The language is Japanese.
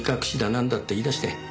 なんだって言い出して。